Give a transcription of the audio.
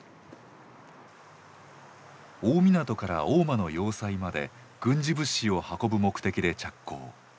大湊から大間の要塞まで軍事物資を運ぶ目的で着工。